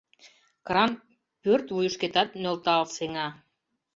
Кран пӧрт вуйышкетат нӧлтал сеҥа.